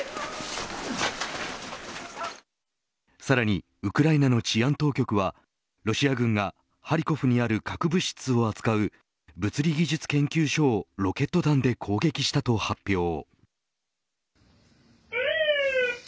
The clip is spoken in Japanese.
さらにウクライナの治安当局はロシア軍がハリコフにある核物質を扱う物理技術研修所をロケット弾で攻撃したと発表。